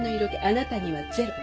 あなたにはゼロ。